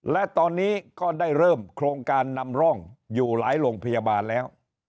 และตอนนี้ก็ได้เริ่มโครงการนำร่องอยู่หลายโรงพยาบาลแล้ว